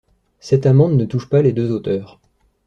Cette amende ne touche pas les deux auteures.